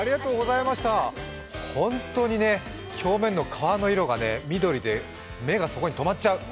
本当に表面の皮の色が緑で目がそこにとまっちゃう。